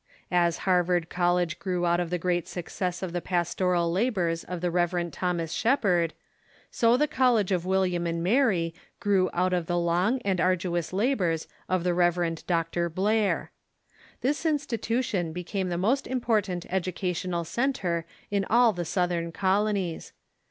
As Harvard College grew out of the great success of the pastoral labors of the Rev. Thomas Shep ard, so the College of William and Mary grew out of the long and arduous labors of the Rev. Dr. Blair. This institution be came the most important educational centre in all the Southern colonies.